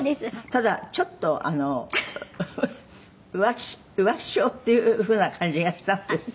「ただちょっと浮気性っていうふうな感じがしたんですって？」